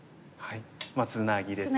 ツナギですよね。